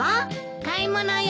買い物よ。